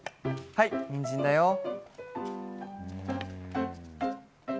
はい、にんじんだよ。